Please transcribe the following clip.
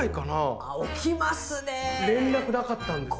連絡なかったんですよ。